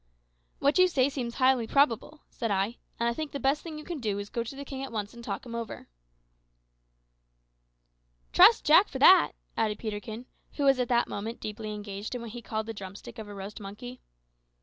"What you say seems highly probable," said I; "and I think the best thing you can do is to go to the king at once and talk him over." "Trust Jack for that," added Peterkin, who was at that moment deeply engaged with what he called the drumstick of a roast monkey.